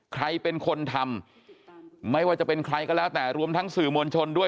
ใครเป็นคนทำไม่ว่าจะเป็นใครก็แล้วแต่รวมทั้งสื่อมวลชนด้วย